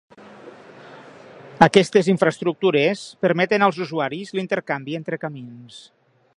Aquestes infraestructures permeten als usuaris l'intercanvi entre camins.